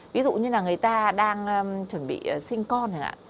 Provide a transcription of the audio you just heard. ví dụ như là người ta đang chuẩn bị sinh con